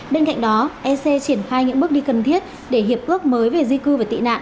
bên cạnh đó ec triển khai những bước đi cần thiết để hiệp ước mới về di cư và tị nạn